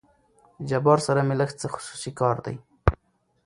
له جبار سره مې لېږ څه خصوصي کار دى.